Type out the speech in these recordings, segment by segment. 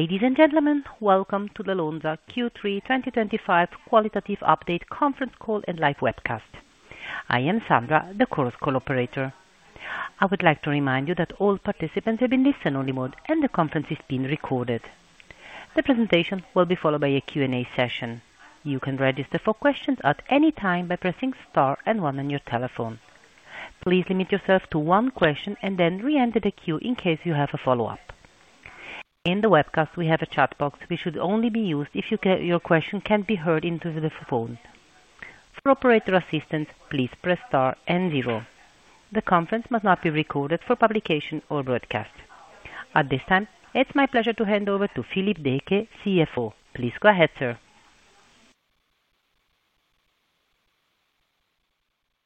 Ladies and gentlemen, welcome to the Lonza Q3 2025 qualitative update conference call and live webcast. I am Sandra, the call operator. I would like to remind you that all participants are in listen-only mode and the conference is being recorded. The presentation will be followed by a Q&A session. You can register for questions at any time by pressing star and one on your telephone. Please limit yourself to one question and then re-enter the queue in case you have a follow-up. In the webcast, we have a chat box which should only be used if your question can be heard into the phone. For operator assistance, please press star and zero. The conference must not be recorded for publication or broadcast. At this time, it's my pleasure to hand over to Philippe Deecke, CFO. Please go ahead, sir.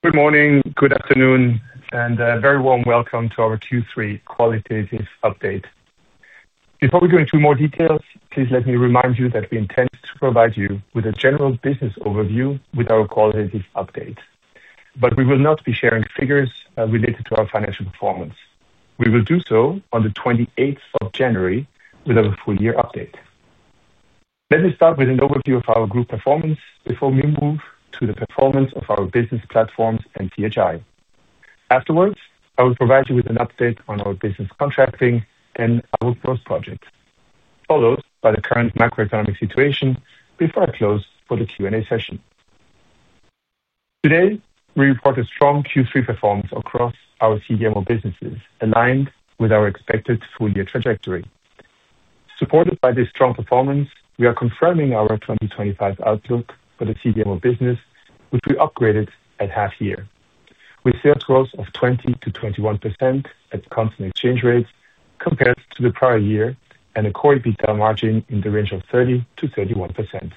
Good morning, good afternoon, and a very warm welcome to our Q3 qualitative update. Before we go into more details, please let me remind you that we intend to provide you with a general business overview with our qualitative update. We will not be sharing figures related to our financial performance. We will do so on the 28th of January with our full-year update. Let me start with an overview of our group performance before we move to the performance of our business platforms and Capsules and Health Ingredients. Afterwards, I will provide you with an update on our business contracting and our growth project, followed by the current macroeconomic situation before I close for the Q&A session. Today, we report a strong Q3 performance across our CDMO businesses, aligned with our expected full-year trajectory. Supported by this strong performance, we are confirming our 2025 outlook for the CDMO business, which we upgraded at half-year, with sales growth of 20 to 21% at constant exchange rates compared to the prior year and a quarterly margin in the range of 30-31%.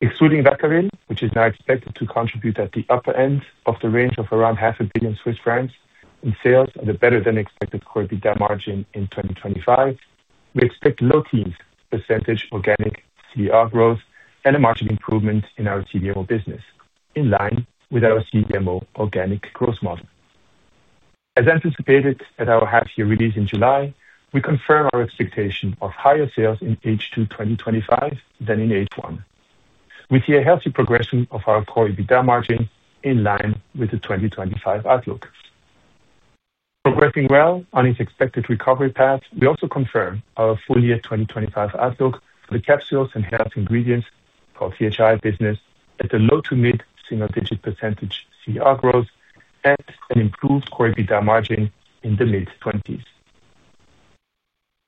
Excluding Vacaville, which is now expected to contribute at the upper end of the range of around half a billion CHF in sales and a better than expected quarterly margin in 2025, we expect low-teens percentage organic constant rate growth and a margin improvement in our CDMO business, in line with our CDMO organic growth model. As anticipated at our half-year release in July, we confirm our expectation of higher sales in H2 2025 than in H1, with a healthy progression of our quarterly margin in line with the 2025 outlook. Progressing well on its expected recovery path, we also confirm our full-year 2025 outlook for the Capsules and Health Ingredients business at the low to mid single-digit percentage constant rate growth and an improved quarterly margin in the mid-20s.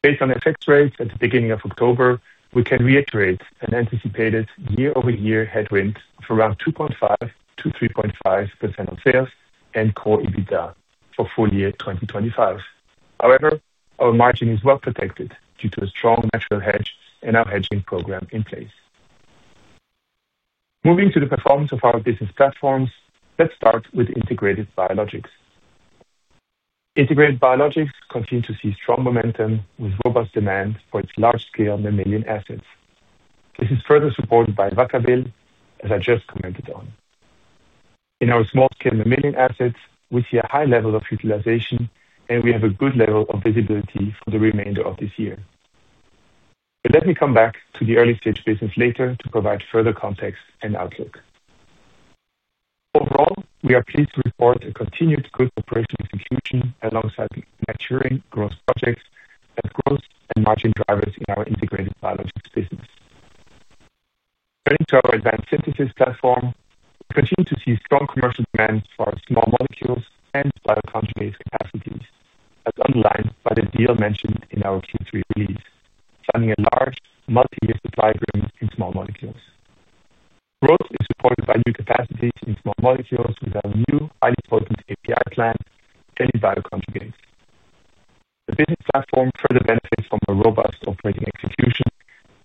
Based on FX rates at the beginning of October, we can reiterate an anticipated year-over-year headwind of around 2.5-3.5% on sales and core EBITDA for full-year 2025. However, our margin is well protected due to a strong natural hedge and our hedging program in place. Moving to the performance of our business platforms, let's start with Integrated Biologics. Integrated Biologics continues to see strong momentum with robust demand for its large-scale mammalian assets. This is further supported by Vacaville, as I just commented on. In our small-scale mammalian assets, we see a high level of utilization, and we have a good level of visibility for the remainder of this year. Let me come back to the early-stage business later to provide further context and outlook. Overall, we are pleased to report a continued good operational execution alongside maturing growth projects as growth and margin drivers in our Integrated Biologics business. Turning to our Advanced Synthesis platform, we continue to see strong commercial demand for our small molecules and biocontrol-based capacities, as underlined by the deal mentioned in our Q3 release, planning a large multi-year supply agreement in small molecules. Growth is supported by new capacities in small molecules with our new highly potent API plant and in biocontrol-based. The business platform further benefits from a robust operating execution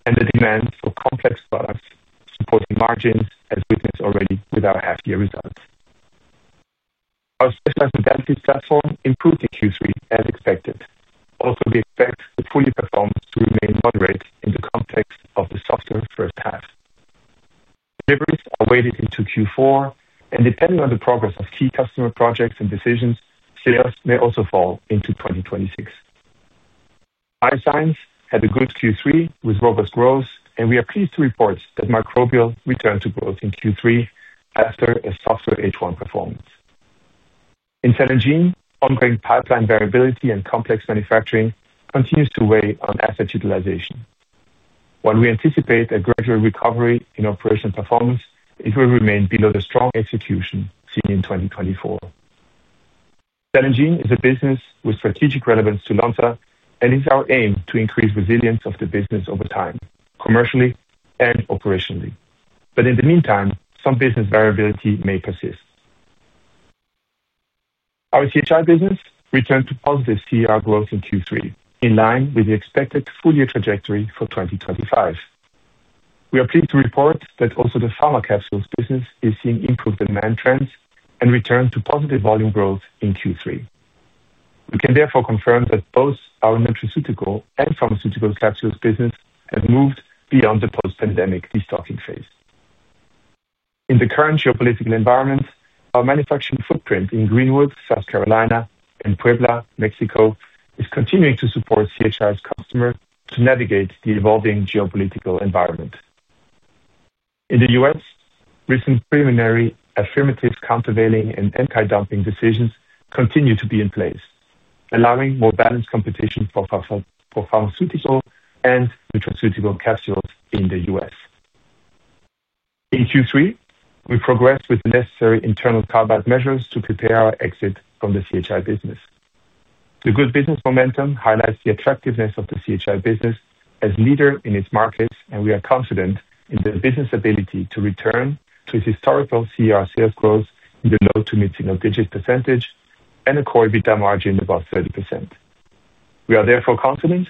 and the demand for complex products supporting margins, as witnessed already with our half-year results. Our Specialized Modalities platform improved in Q3 as expected. We expect the fully performed to remain moderate in the context of the softer first half. Deliveries are weighted into Q4, and depending on the progress of key customer projects and decisions, sales may also fall into 2026. Bioscience had a good Q3 with robust growth, and we are pleased to report that Microbial returned to growth in Q3 after a softer H1 performance. In Cell and Gene, ongoing pipeline variability and complex manufacturing continue to weigh on asset utilization. While we anticipate a gradual recovery in operational performance, it will remain below the strong execution seen in 2024. Cell and Gene is a business with strategic relevance to Lonza, and it is our aim to increase resilience of the business over time, commercially and operationally. In the meantime, some business variability may persist. Our Capsules and Health Ingredients business returned to positive CR growth in Q3, in line with the expected full-year trajectory for 2025. We are pleased to report that also the pharma capsules business is seeing improved demand trends and returned to positive volume growth in Q3. We can therefore confirm that both our nutraceutical and pharmaceutical capsules business have moved beyond the post-pandemic restocking phase. In the current geopolitical environment, our manufacturing footprint in Greenwood, South Carolina, and Puebla, Mexico is continuing to support Capsules and Health Ingredients' customers to navigate the evolving geopolitical environment. In the U.S., recent preliminary affirmative countervailing and anti-dumping decisions continue to be in place, allowing more balanced competition for pharmaceutical and nutraceutical capsules in the U.S. In Q3, we progressed with the necessary internal carve-out measures to prepare our exit from the Capsules and Health Ingredients business. The good business momentum highlights the attractiveness of the Capsules and Health Ingredients business as a leader in its markets, and we are confident in the business's ability to return to its historical Capsules and Health Ingredients sales growth in the low to mid single-digit percentage and a quarterly margin of about 30%. We are therefore confident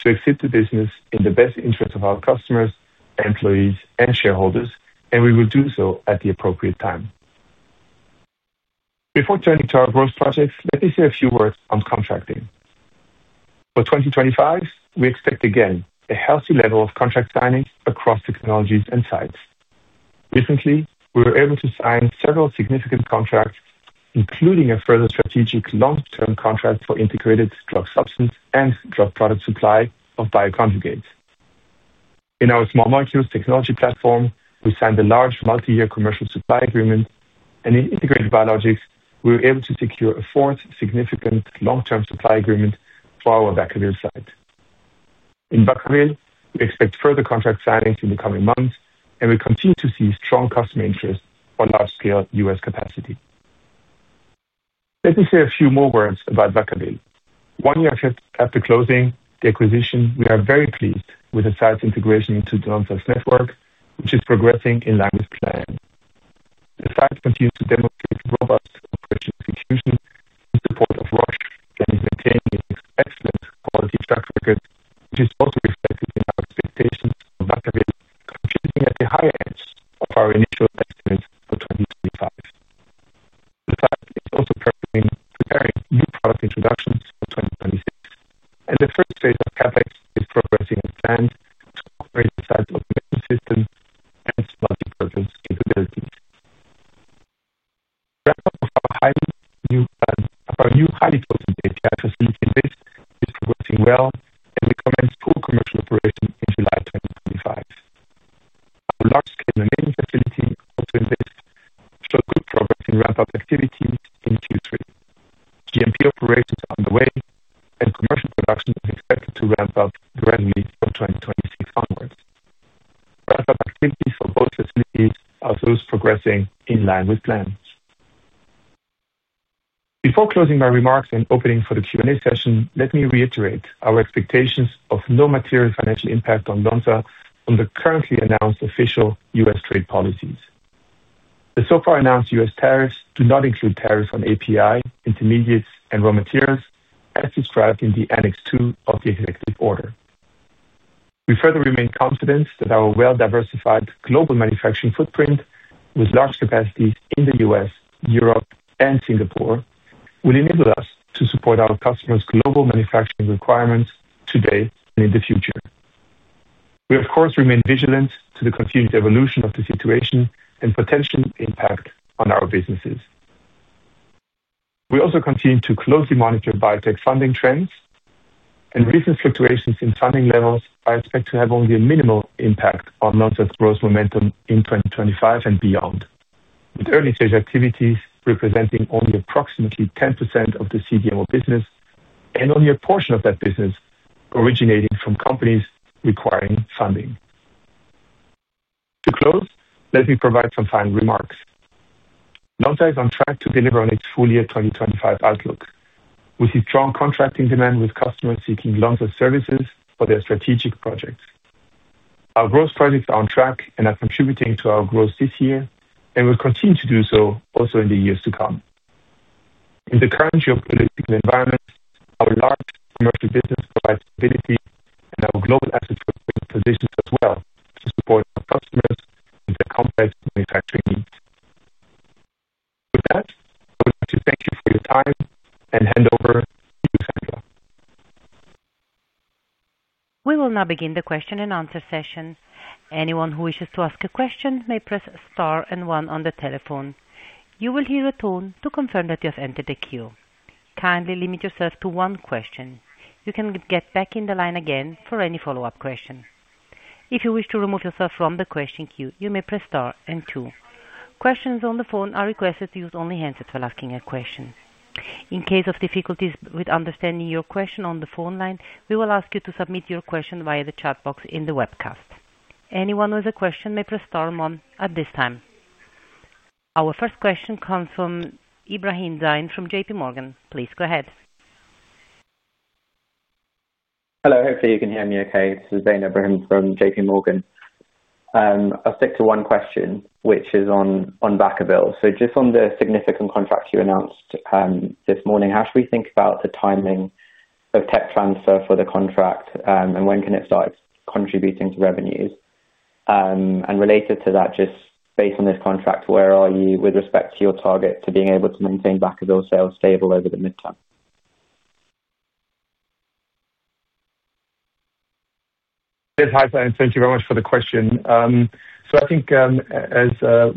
to exit the business in the best interests of our customers, employees, and shareholders, and we will do so at the appropriate time. Before turning to our growth projects, let me say a few words on contracting. For 2025, we expect again a healthy level of contract signings across technologies and sites. Recently, we were able to sign several significant contracts, including a further strategic long-term contract for integrated drug substance and drug product supply of bioconjugates. In our Small Molecules technology platform, we signed a large multi-year commercial supply agreement, and in Integrated Biologics, we were able to secure a fourth significant long-term supply agreement for our Vacaville site. In Vacaville, we expect further contract signings in the coming months, and we continue to see strong customer interest for large-scale U.S. capacity. Let me say a few more words about Vacaville. One year after closing the acquisition, we are very pleased with the site's integration into Lonza Group AG's network, which is progressing in line with plan. The site continues to demonstrate robust operational execution in support of Roche and is maintaining an excellent quality track record, which is also reflected in our expectations of Vacaville contributing at the higher edge of our initial will enable us to support our customers' global manufacturing requirements today and in the future. We, of course, remain vigilant to the continued evolution of the situation and potential impact on our businesses. We also continue to closely monitor biotech funding trends, and recent fluctuations in funding levels are expected to have only a minimal impact on Lonza's growth momentum in 2025 and beyond, with early-stage activities representing only approximately 10% of the CDMO business and only a portion of that business originating from companies requiring funding. To close, let me provide some final remarks. Lonza is on track to deliver on its full-year 2025 outlook. We see strong contracting demand with customers seeking Lonza services for their strategic projects. Our growth projects are on track and are contributing to our growth this year and will continue to do so also in the years to come. In the current geopolitical environment, our large commercial business provides stability and our global asset propositions as well to support our customers with their complex manufacturing needs. With that, I would like to thank you for your time and hand over to you, Sandra. We will now begin the question and answer session. Anyone who wishes to ask a question may press star and one on the telephone. You will hear a tone to confirm that you have entered the queue. Kindly limit yourself to one question. You can get back in the line again for any follow-up question. If you wish to remove yourself from the question queue, you may press star and two. Questions on the phone are requested to use only handsets when asking a question. In case of difficulties with understanding your question on the phone line, we will ask you to submit your question via the chat box in the webcast. Anyone with a question may press star and one at this time. Our first question comes from Zain Ebrahim from JPMorgan. Please go ahead. Hello. Hopefully, you can hear me okay. This is Zain Ebrahim from JPMorgan Chase & Co. I'll stick to one question, which is on Vacaville. Just on the significant contract you announced this morning, how should we think about the timing of tech transfer for the contract and when can it start contributing to revenues? Related to that, just based on this contract, where are you with respect to your target to being able to maintain Vacaville sales stable over the midterm? Yes, hi Zain and thank you very much for the question. As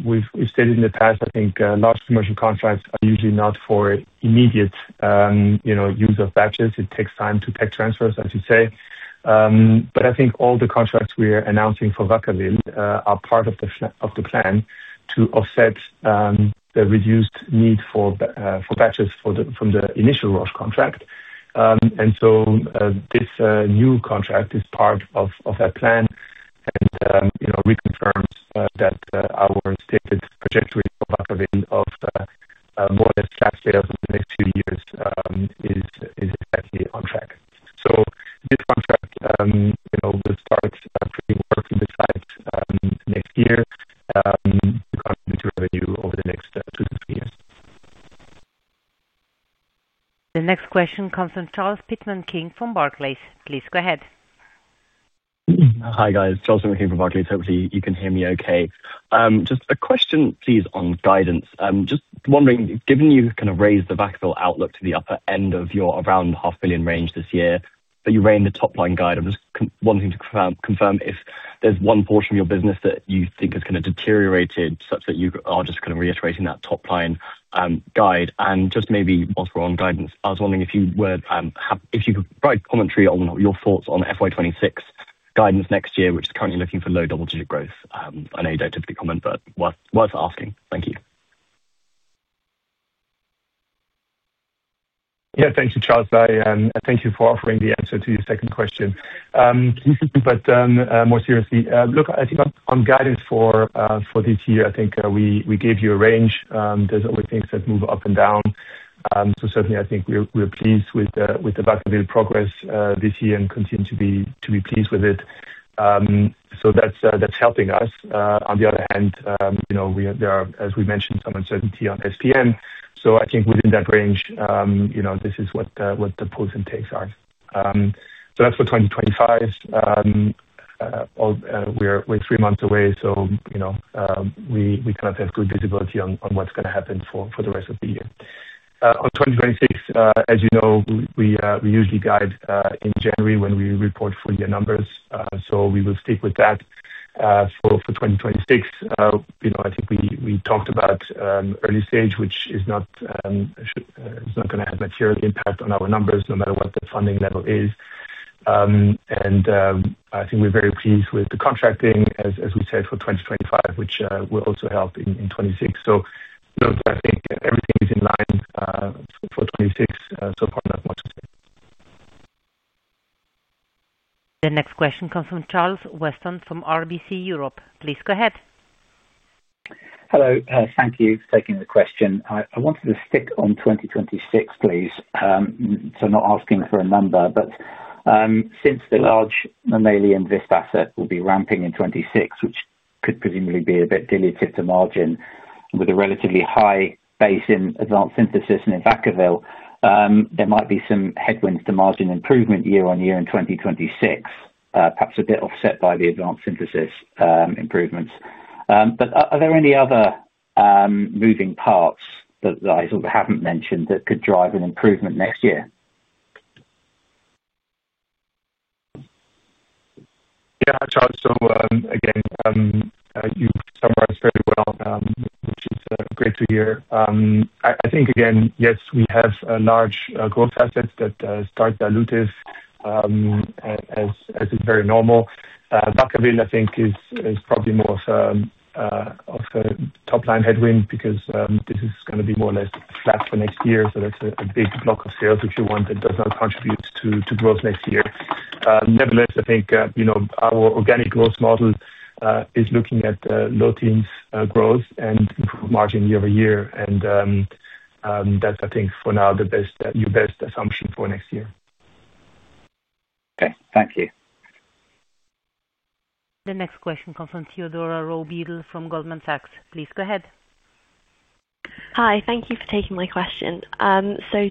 we've stated in the past, I think large commercial contracts are usually not for immediate use of batches. It takes time to take transfers, as you say. All the contracts we are announcing for Vacaville are part of the plan to offset the reduced need for batches from the initial Roche contract. This new contract is part of that plan and reconfirms that our stated trajectory for Vacaville of more or less flat sales in the next few years is exactly on track. This contract will start creating work for the site next year to contribute to revenue over the next two to three years. The next question comes from Charles Pitman-King from Barclays PLC. Please go ahead. Hi guys, Charles from Barclays PLC. Hopefully, you can hear me okay. Just a question, please, on guidance. Just wondering, given you kind of raised the Vacaville outlook to the upper end of your around $500 million range this year, but you ran the top line guide, I'm just wanting to confirm if there's one portion of your business that you think has kind of deteriorated such that you are just kind of reiterating that top line guide. Maybe whilst we're on guidance, I was wondering if you could provide commentary on your thoughts on FY2026 guidance next year, which is currently looking for low double-digit growth. I know you don't typically comment, but worth asking. Thank you. Thank you, Charles. I thank you for offering the answer to your second question. More seriously, on guidance for this year, we gave you a range. There are always things that move up and down. We are pleased with the Vacaville progress this year and continue to be pleased with it. That is helping us. On the other hand, there is, as we mentioned, some uncertainty on SPM. Within that range, these are what the pros and takes are. For 2025, we are three months away, so we have good visibility on what is going to happen for the rest of the year. For 2026, as you know, we usually guide in January when we report full-year numbers. We will stick with that for 2026. We talked about early stage, which is not going to have material impact on our numbers no matter what the funding level is. We are very pleased with the contracting, as we said, for 2025, which will also help in 2026. Everything is in line for 2026. So far, not much to say. The next question comes from Charles Weston from RBC Capital Markets. Please go ahead. Hello. Thank you for taking the question. I wanted to stick on 2026, please. I'm not asking for a number, but since the large mammalian VISP asset will be ramping in 2026, which could presumably be a bit dilutive to margin, with a relatively high base in Advanced Synthesis and in Vacaville, there might be some headwinds to margin improvement year on year in 2026, perhaps a bit offset by the Advanced Synthesis improvements. Are there any other moving parts that I sort of haven't mentioned that could drive an improvement next year? Yeah, Charles. You summarized very well, which is great to hear. I think, again, yes, we have large growth assets that start dilutive, as is very normal. Vacaville, I think, is probably more of a top line headwind because this is going to be more or less flat for next year. That's a big block of sales that you want that does not contribute to growth next year. Nevertheless, I think our organic growth model is looking at low teens growth and margin year-over-year. That's, I think, for now, your best assumption for next year. Okay, thank you. The next question comes from Theodora Robiel from Goldman Sachs. Please go ahead. Hi. Thank you for taking my question.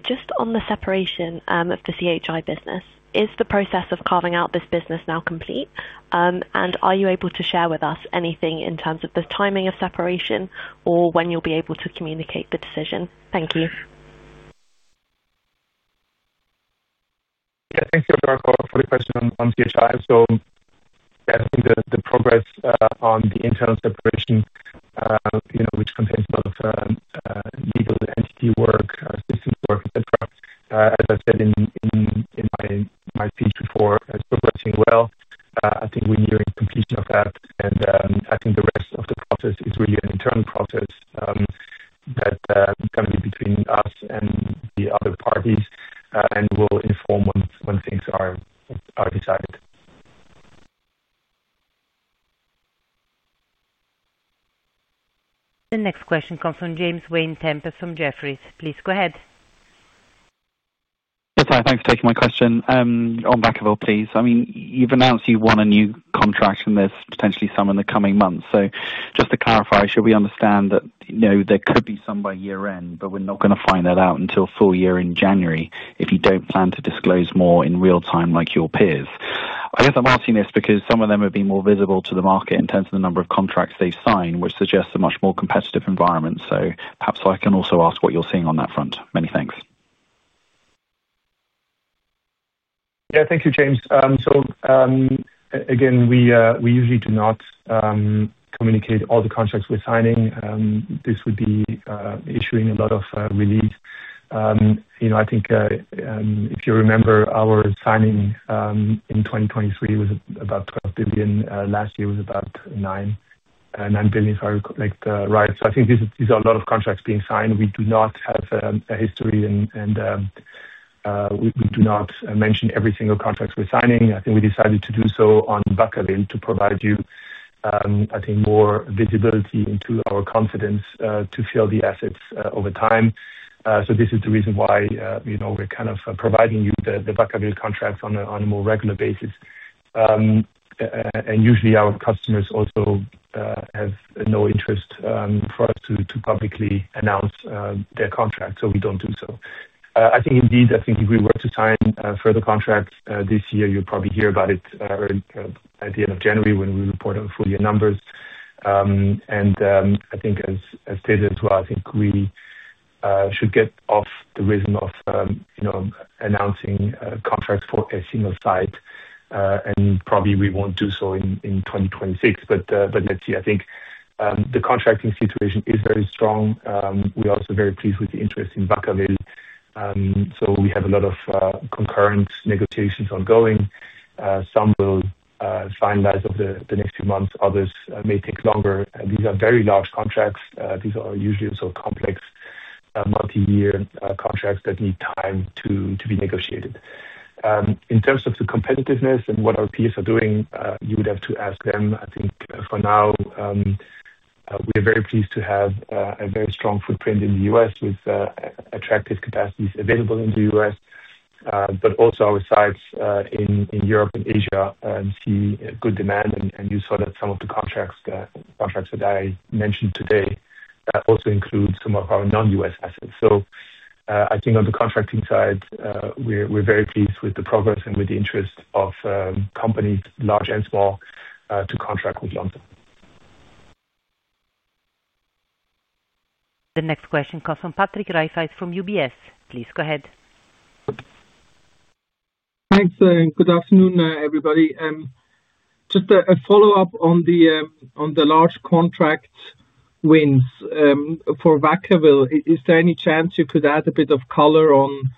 Just on the separation of the Capsules and Health Ingredients business, is the process of carving out this business now complete? Are you able to share with us anything in terms of the timing of separation or when you'll be able to communicate the decision? Thank you. Thank you for the question on CHI. I think the progress on the internal separation, which contains a lot of legal entity work, systems work, etc., as I said in my speech before, is progressing well. I think we're nearing completion of that. I think the rest of the process is really an internal process that's going to be between us and the other parties and will inform when things are decided. The next question comes from James Vane-Tempest from Jefferies Group LLC. Please go ahead. Yes, hi. Thanks for taking my question. On Vacaville, please. I mean, you've announced you want a new contract and there's potentially some in the coming months. Just to clarify, should we understand that there could be some by year-end, but we're not going to find that out until full year in January if you don't plan to disclose more in real time like your peers? I'm asking this because some of them have been more visible to the market in terms of the number of contracts they've signed, which suggests a much more competitive environment. Perhaps I can also ask what you're seeing on that front. Many thanks. Yeah, thank you, James. We usually do not communicate all the contracts we're signing. This would be issuing a lot of releases. If you remember, our signing in 2023 was about $12 billion. Last year was about $9 billion, if I recollect right. These are a lot of contracts being signed. We do not have a history and we do not mention every single contract we're signing. We decided to do so on Vacaville to provide you more visibility into our confidence to fill the assets over time. This is the reason why we're providing you the Vacaville contracts on a more regular basis. Usually, our customers also have no interest for us to publicly announce their contracts, so we don't do so. If we were to sign further contracts this year, you'll probably hear about it at the end of January when we report our full-year numbers. As stated as well, we should get off the rhythm of announcing contracts for a single site. Probably we won't do so in 2026. Let's see. The contracting situation is very strong. We are also very pleased with the interest in Vacaville. We have a lot of concurrent negotiations ongoing. Some will finalize over the next few months. Others may take longer. These are very large contracts. These are usually also complex multi-year contracts that need time to be negotiated. In terms of the competitiveness and what our peers are doing, you would have to ask them. For now, we are very pleased to have a very strong footprint in the U.S. with attractive capacities available in the U.S., but also our sites in Europe and Asia see good demand. You saw that some of the contracts that I mentioned today also include some of our non-U.S. assets. On the contracting side, we're very pleased with the progress and with the interest of companies, large and small, to contract with Lonza. The next question comes from Patrick Rafaisz from UBS Group AG. Please go ahead. Thanks, Zain. Good afternoon, everybody. Just a follow-up on the large contract wins. For Vacaville, is there any chance you could add a bit of color on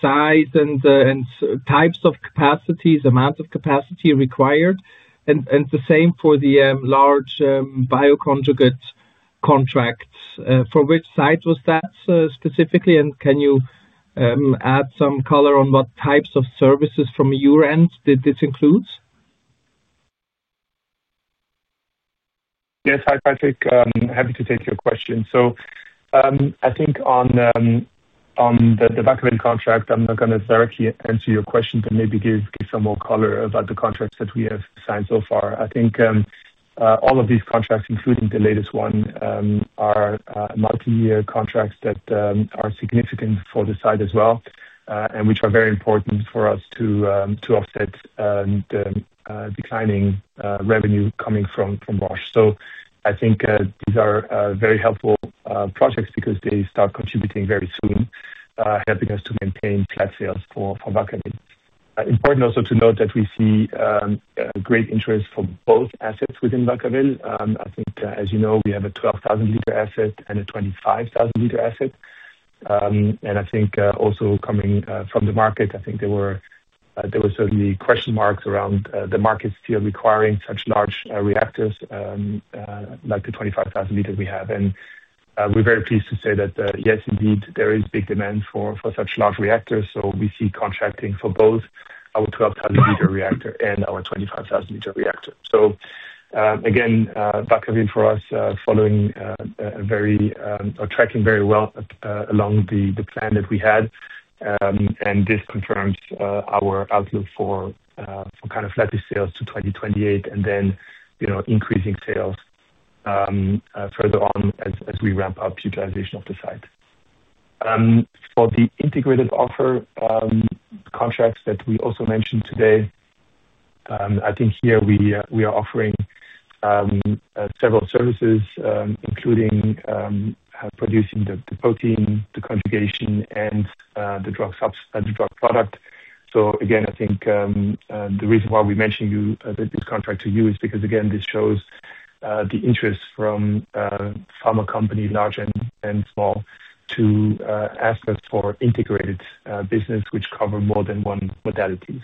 size and types of capacities, amount of capacity required? The same for the large bioconjugate contracts. For which site was that specifically? Can you add some color on what types of services from your end did this include? Yes, hi Patrick. I'm happy to take your question. On the Vacaville contract, I'm not going to directly answer your question, but maybe give some more color about the contracts that we have signed so far. All of these contracts, including the latest one, are multi-year contracts that are significant for the site as well, and which are very important for us to offset the declining revenue coming from Roche. These are very helpful projects because they start contributing very soon, helping us to maintain flat sales for Vacaville. It is important also to note that we see great interest for both assets within Vacaville. As you know, we have a 12,000L asset and a 25,000L asset. Also coming from the market, there were certainly question marks around the market still requiring such large reactors like the 25,000L we have. We're very pleased to say that, yes, indeed, there is big demand for such large reactors. We see contracting for both our 12,000L reactor and our 25,000L reactor. Vacaville for us is tracking very well along the plan that we had. This confirms our outlook for kind of flat sales to 2028 and then increasing sales further on as we ramp up the utilization of the site. For the integrated offer contracts that we also mentioned today, here we are offering several services, including producing the protein, the conjugation, and the drug product. The reason why we mentioned this contract to you is because this shows the interest from pharma companies, large and small, to ask us for integrated business, which covers more than one modality.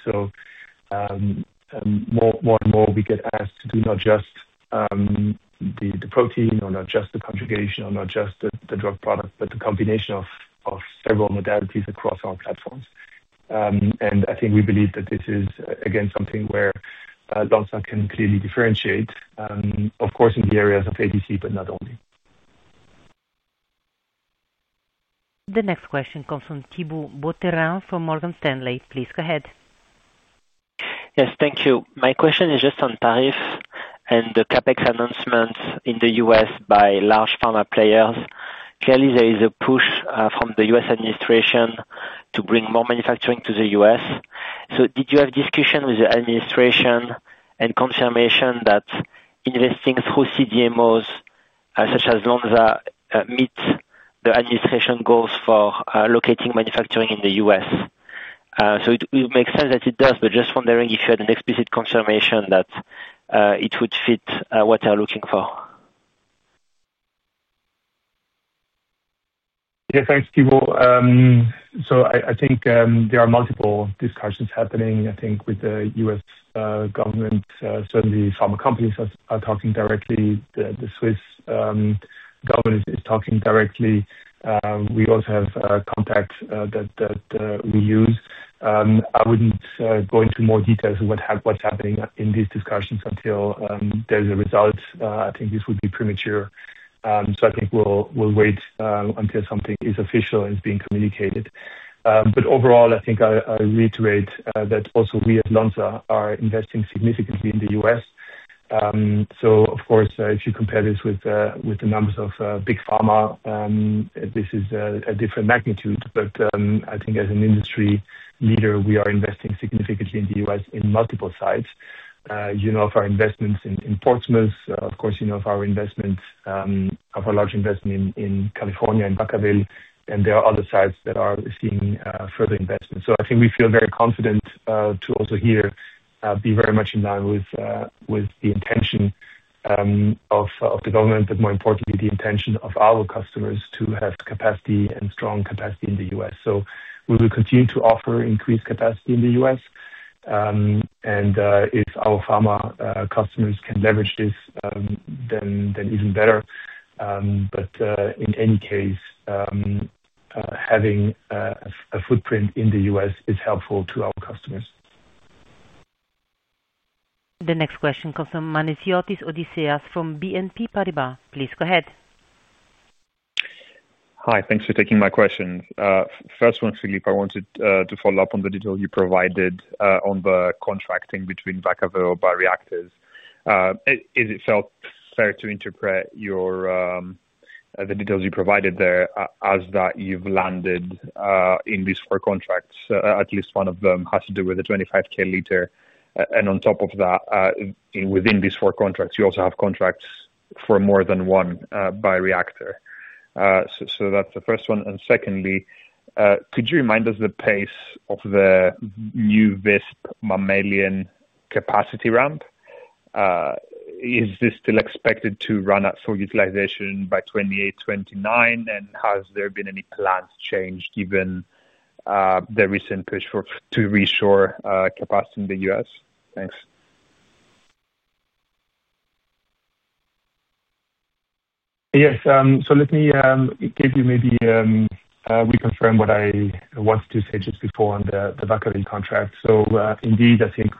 More and more we get asked to do not just the protein or not just the conjugation or not just the drug product, but the combination of several modalities across our platforms. We believe that this is something where Lonza can clearly differentiate, of course, in the areas of ADC, but not only. The next question comes from Thibaut Boutherin from Morgan Stanley. Please go ahead. Yes, thank you. My question is just on tariffs and the CapEx announcements in the U.S. by large pharma players. Clearly, there is a push from the U.S. administration to bring more manufacturing to the U.S. Did you have a discussion with the administration and confirmation that investing through CDMOs such as Lonza meets the administration goals for locating manufacturing in the U.S.? It would make sense that it does, but just wondering if you had an explicit confirmation that it would fit what they're looking for. Yes, thanks, Thibaut. I think there are multiple discussions happening with the U.S. government. Certainly, pharma companies are talking directly. The Swiss government is talking directly. We also have contacts that we use. I wouldn't go into more details of what's happening in these discussions until there's a result. This would be premature. I think we'll wait until something is official and is being communicated. Overall, I reiterate that also we at Lonza are investing significantly in the U.S. Of course, if you compare this with the numbers of big pharma, this is a different magnitude. I think as an industry leader, we are investing significantly in the U.S. in multiple sites. You know of our investments in Portsmouth. Of course, you know of our large investment in California and Vacaville. There are other sites that are seeing further investments. I think we feel very confident to also here be very much in line with the intention of the government, but more importantly, the intention of our customers to have capacity and strong capacity in the U.S. We will continue to offer increased capacity in the U.S., and if our pharma customers can leverage this, then even better. In any case, having a footprint in the U.S. is helpful to our customers. The next question comes from Odysseas Manesiotis from BNP Paribas. Please go ahead. Hi. Thanks for taking my questions. First one is, Philippe, I wanted to follow up on the detail you provided on the contracting between Vacaville or bioreactors. Is it fair to interpret the details you provided there as that you've landed in these four contracts? At least one of them has to do with the 25,000L. On top of that, within these four contracts, you also have contracts for more than one bioreactor. That's the first one. Secondly, could you remind us the pace of the new VISP mammalian capacity ramp? Is this still expected to run at full utilization by 2028, 2029? Has there been any plans changed given the recent push to reshore capacity in the U.S.? Thanks. Yes. Let me reconfirm what I wanted to say just before on the Vacaville contract. Indeed, I think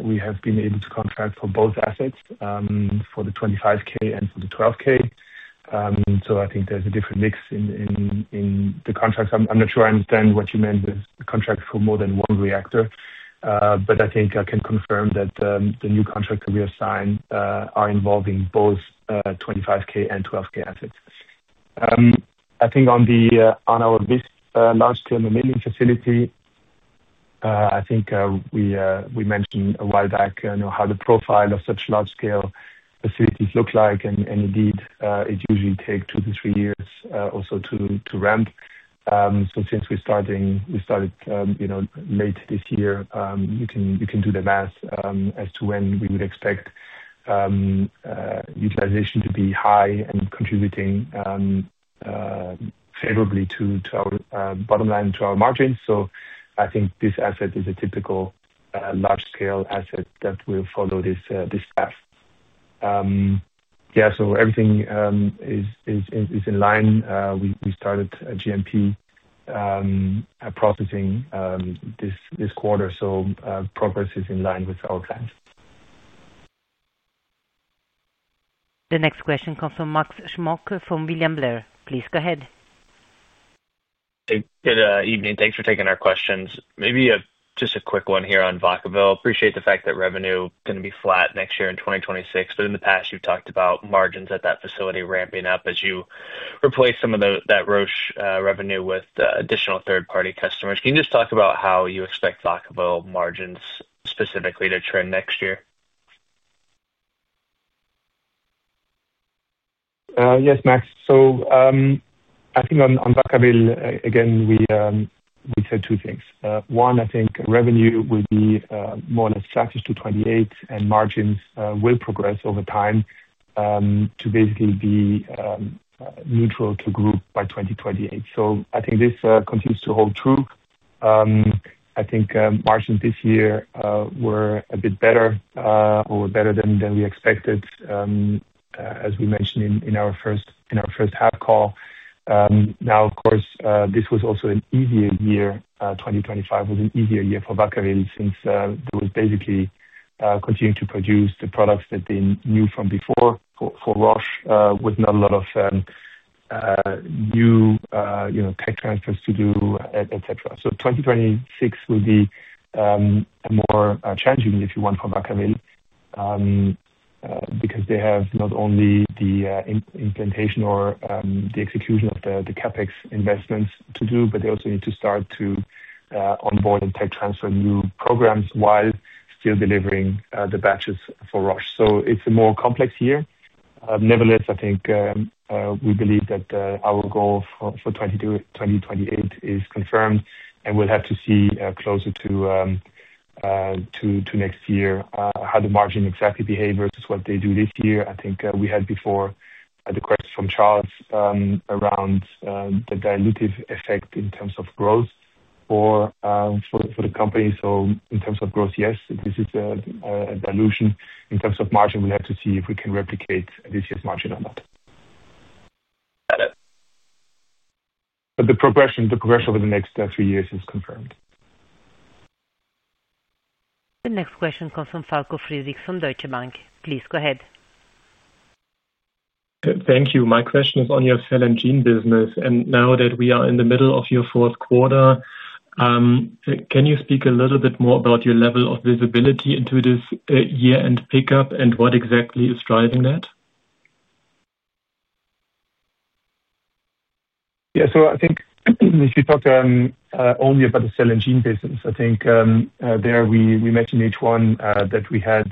we have been able to contract for both assets, for the 25,000L and for the 12,000L. I think there's a different mix in the contracts. I'm not sure I understand what you meant with contracts for more than one reactor. I can confirm that the new contracts that we have signed are involving both 25,000L and 12,000L assets. On our VISP large-scale mammalian facility, we mentioned a while back how the profile of such large-scale facilities looks. Indeed, it usually takes two to three years also to ramp. Since we started late this year, you can do the math as to when we would expect utilization to be high and contributing favorably to our bottom line, to our margins. This asset is a typical large-scale asset that will follow this path. Everything is in line. We started GMP processing this quarter. Progress is in line with our plans. The next question comes from Max Smock from William Blair. Please go ahead. Good evening. Thanks for taking our questions. Maybe just a quick one here on Vacaville. I appreciate the fact that revenue is going to be flat next year in 2026. In the past, you've talked about margins at that facility ramping up as you replace some of that Roche revenue with additional third-party customers. Can you just talk about how you expect Vacaville margins specifically to trend next year? Yes, Max. I think on Vacaville, again, we said two things. One, I think revenue will be more or less flat to 2028, and margins will progress over time to basically be neutral to group by 2028. I think this continues to hold true. I think margins this year were a bit better or better than we expected, as we mentioned in our first half call. This was also an easier year. 2025 was an easier year for Vacaville since they were basically continuing to produce the products that they knew from before for Roche with not a lot of new tech transfers to do, etc. 2026 will be a more challenging year for Vacaville because they have not only the implementation or the execution of the CapEx investments to do, but they also need to start to onboard and tech transfer new programs while still delivering the batches for Roche. It is a more complex year. Nevertheless, I think we believe that our goal for 2028 is confirmed, and we'll have to see closer to next year how the margin exactly behaves versus what they do this year. I think we had before the question from Charles around the dilutive effect in terms of growth for the company. In terms of growth, yes, this is a dilution. In terms of margin, we'll have to see if we can replicate this year's margin or not. Got it. The progression over the next three years is confirmed. The next question comes from Falko Friedrich from Deutsche Bank. Please go ahead. Thank you. My question is on your Cell and Gene Therapies business. Now that we are in the middle of your fourth quarter, can you speak a little bit more about your level of visibility into this year-end pickup and what exactly is driving that? Yeah. I think if you talk only about the Cell and Gene Therapies business, I think there we mentioned each one that we had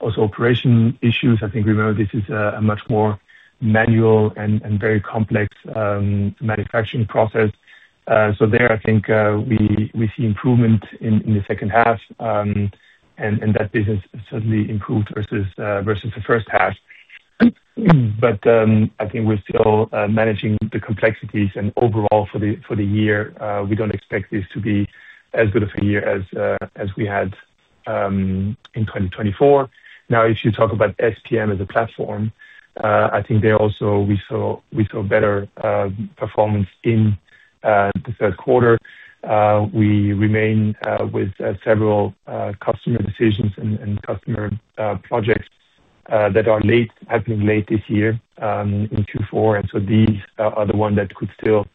also operation issues. I think remember this is a much more manual and very complex manufacturing process. There, I think we see improvement in the second half, and that business certainly improved versus the first half. I think we're still managing the complexities. Overall, for the year, we don't expect this to be as good of a year as we had in 2024. If you talk about Specialized Modalities as a platform, I think there also we saw better performance in the third quarter. We remain with several customer decisions and customer projects that are happening late this year in Q4. These are the ones that could still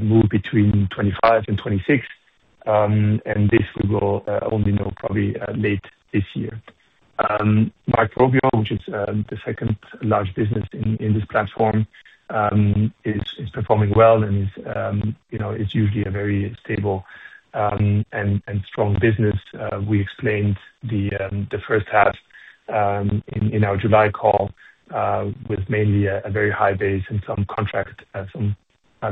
move between 2025 and 2026. This we will only know probably late this year. Microbial, which is the second large business in this platform, is performing well and is usually a very stable and strong business. We explained the first half in our July call with mainly a very high base and some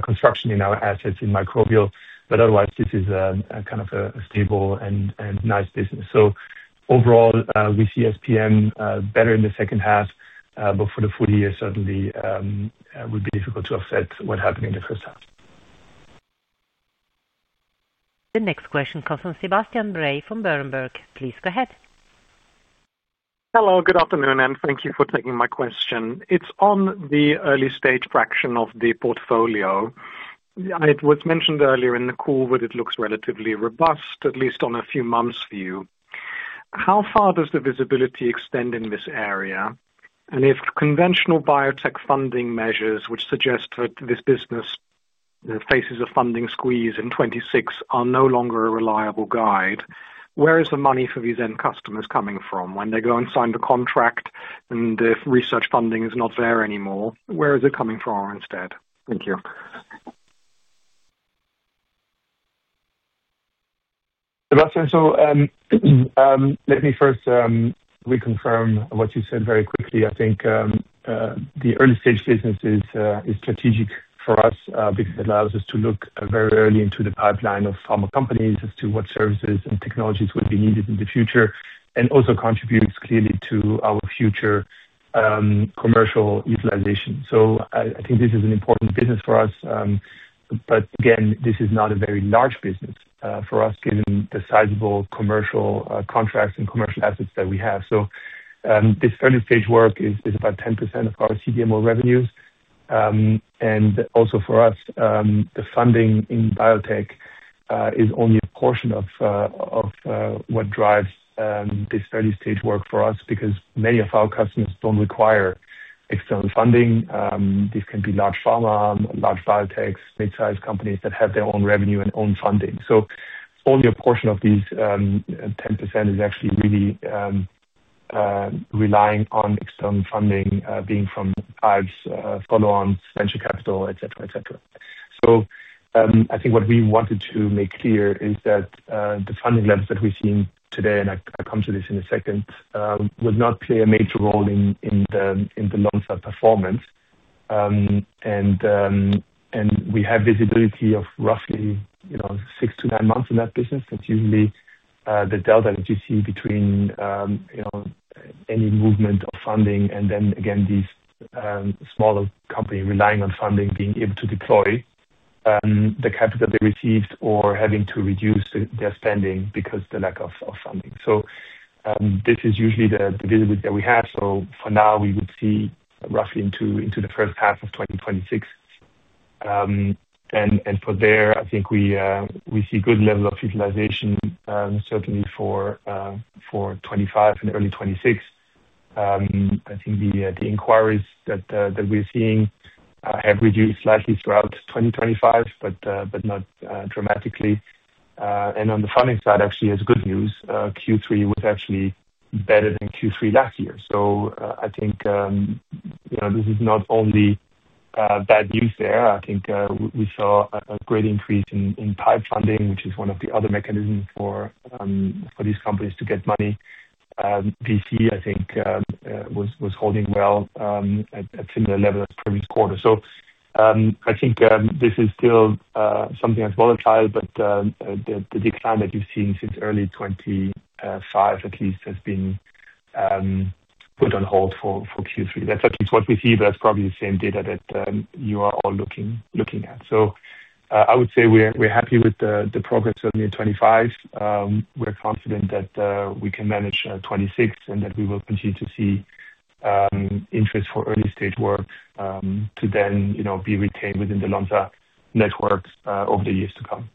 construction in our assets in Microbial. Otherwise, this is a kind of a stable and nice business. Overall, we see Specialized Modalities better in the second half, but for the full year, certainly, it would be difficult to offset what happened in the first half. The next question comes from Sebastian Bray from Berenberg. Please go ahead. Hello. Good afternoon, and thank you for taking my question. It's on the early-stage fraction of the portfolio. It was mentioned earlier in the call that it looks relatively robust, at least on a few months' view. How far does the visibility extend in this area? If conventional biotech funding measures, which suggest that this business faces a funding squeeze in 2026, are no longer a reliable guide, where is the money for these end customers coming from? When they go and sign the contract and if research funding is not there anymore, where is it coming from instead? Thank you. Sebastian, let me first reconfirm what you said very quickly. I think the early-stage business is strategic for us because it allows us to look very early into the pipeline of pharma companies as to what services and technologies will be needed in the future and also contributes clearly to our future commercial utilization. I think this is an important business for us. This is not a very large business for us given the sizable commercial contracts and commercial assets that we have. This early-stage work is about 10% of our CDMO revenues. Also for us, the funding in biotech is only a portion of what drives this early-stage work for us because many of our customers do not require external funding. This can be large pharma, large biotechs, mid-sized companies that have their own revenue and own funding. Only a portion of these 10% is actually really relying on external funding, being from IPOs, follow-ons, venture capital, etc. I think what we wanted to make clear is that the funding levels that we've seen today, and I come to this in a second, will not play a major role in the Lonza Group AG performance. We have visibility of roughly six to nine months in that business. That's usually the delta that you see between any movement of funding and then these smaller companies relying on funding being able to deploy the capital they received or having to reduce their spending because of the lack of funding. This is usually the visibility that we have. For now, we would see roughly into the first half of 2026. For there, I think we see good levels of utilization, certainly for 2025 and early 2026. The inquiries that we're seeing have reduced slightly throughout 2025, but not dramatically. On the funding side, actually, it's good news. Q3 was actually better than Q3 last year. This is not only bad news there. We saw a great increase in PIPE funding, which is one of the other mechanisms for these companies to get money. VC, I think, was holding well at a similar level as the previous quarter. This is still something that's volatile, but the decline that you've seen since early 2025 at least has been put on hold for Q3. That's at least what we see, but that's probably the same data that you are all looking at. I would say we're happy with the progress certainly in 2025. We're confident that we can manage 2026 and that we will continue to see interest for early-stage work to then be retained within the Lonza Group AG networks over the years to come.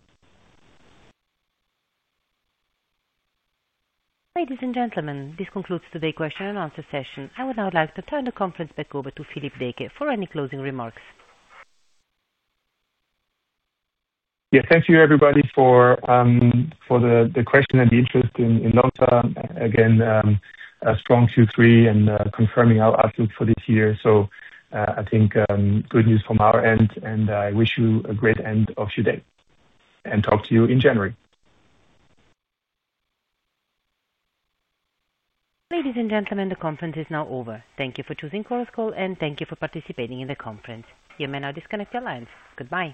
Ladies and gentlemen, this concludes today's question and answer session. I would now like to turn the conference back over to Philippe Deecke for any closing remarks. Thank you, everybody, for the question and the interest in Lonza. Again, a strong Q3 and confirming our outlook for this year. I think good news from our end, and I wish you a great end of your day. Talk to you in January. Ladies and gentlemen, the conference is now over. Thank you for choosing CORUS Call, and thank you for participating in the conference. You may now disconnect your lines. Goodbye.